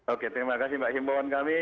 oke terima kasih mbak himbawan kami